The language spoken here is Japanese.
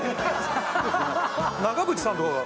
長渕さんとかが。